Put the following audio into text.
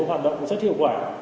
hoạt động rất hiệu quả